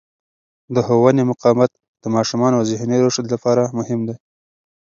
د ښوونې مقاومت د ماشومانو ذهني رشد لپاره مهم دی.